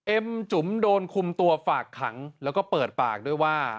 จุ๋มโดนคุมตัวฝากขังแล้วก็เปิดปากด้วยว่า